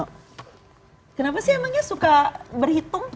kenapa sih emangnya suka berhitung